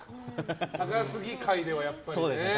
高杉界ではやっぱりね。